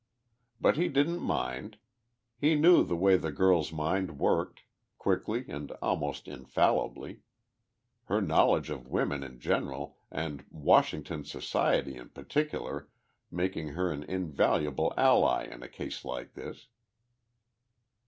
But he didn't mind. He knew the way the girl's mind worked, quickly and almost infallibly her knowledge of women in general and Washington society in particular making her an invaluable ally in a case like this.